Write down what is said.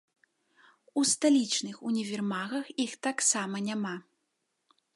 У сталічных універмагах іх таксама няма.